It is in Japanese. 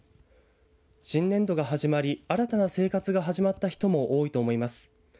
新年度が始まり新たな生活が始まった人も多いと思います。